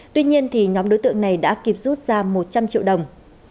tuy nhiên nhóm đối tượng này đã kịp rút ra một trăm linh triệu đồng